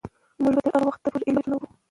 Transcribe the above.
موږ به تر هغه وخته پورې علمي بحثونه کوو.